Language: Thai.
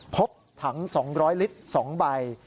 พบถัง๒๐๐ลิตร๒ใบ